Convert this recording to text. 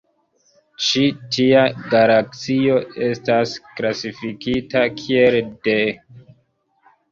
Ĉi tia galaksio estas klasifikita kiel dE.